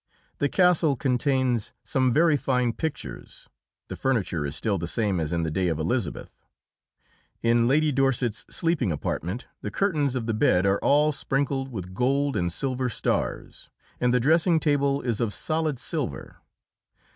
The castle contains some very fine pictures; the furniture is still the same as in the day of Elisabeth. In Lady Dorset's sleeping apartment the curtains of the bed are all sprinkled with gold and silver stars, and the dressing table is of solid silver.